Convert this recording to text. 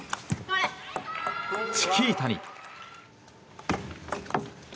チキータに。